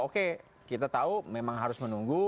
oke kita tahu memang harus menunggu